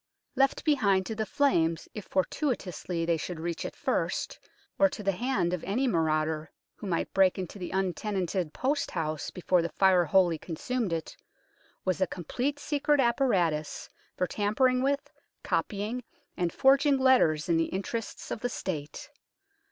Left behind to the flames if fortuitously they should reach it first, or to the hand of any marauder who might break into the untenanted post house before the Fire wholly consumed it, was a complete secret apparatus for tampering with, copying, and forging letters in the interests of the State.